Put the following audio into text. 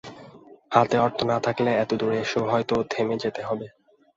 হাতে অর্থ না থাকলে এত দূর এসেও হয়তো থেমে যেতে হবে।